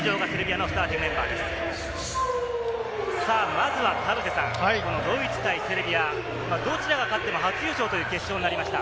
まずは田臥さん、ドイツ対セルビア、どちらが勝っても初優勝という決勝になりました。